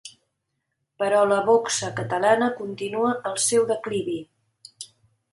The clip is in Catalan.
Però la boxa catalana continua el seu declivi.